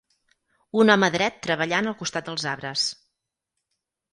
Un home dret treballant al costat dels arbres.